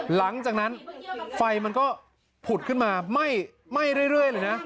หลังจากนั้นไฟมันก็ผุดขึ้นมาไหม้เรื่อยเลยนะ